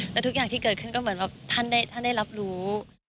แล้วทุกอย่างที่เกิดขึ้นก็เหมือนแบบท่านได้รับรู้